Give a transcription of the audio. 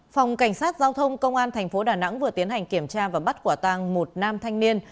phòng cảnh sát giao thông công an thành phố đà nẵng vừa tiến hành kiểm tra và bắt quả tàng một nam thanh niên